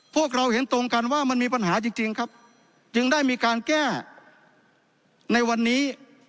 พวกเราเห็นตรงกันว่ามันมีปัญหาจริงครับจึงได้มีการแก้ในวันนี้